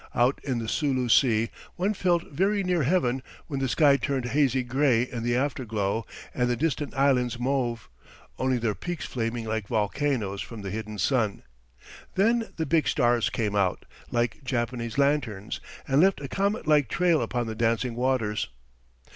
Out in the Sulu Sea, one felt very near heaven when the sky turned hazy gray in the afterglow, and the distant islands mauve, only their peaks flaming like volcanoes from the hidden sun. Then the big stars came out, like Japanese lanterns, and left a comet like trail upon the dancing waters.